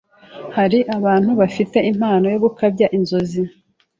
Hari abantu bafite impano yo gukabya inzozi